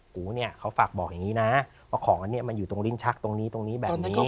กูเนี่ยเขาฝากบอกอย่างนี้นะว่าของอันนี้มันอยู่ตรงลิ้นชักตรงนี้ตรงนี้แบบนี้